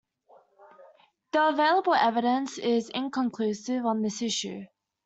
The available evidence is inconclusive on this issue.